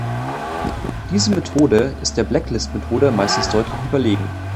Diese Methode ist der Blacklist-Methode meistens deutlich überlegen.